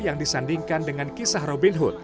yang disandingkan dengan kisah robin hood